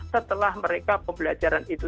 setelah mereka pembelajaran itu